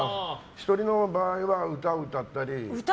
１人の場合は歌を歌ったり。